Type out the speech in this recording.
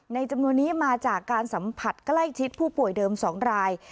จำนวนนี้มาจากการสัมผัสใกล้ชิดผู้ป่วยเดิม๒ราย